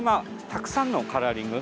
たくさんのカラーリング。